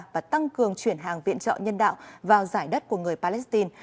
và tăng cường chuyển hàng viện trợ nhân đạo vào giải đất của người palestine